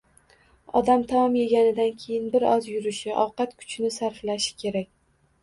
Odam taom yeganidan keyin bir oz yurishi, ovqat kuchini sarflashi kerak.